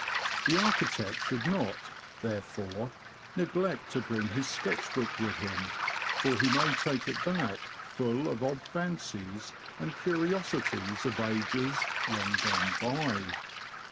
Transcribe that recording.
The architect should not, therefore, neglect to bring his sketch book with him, for he may take it back full of odd fancies and curiosities of ages long gone by.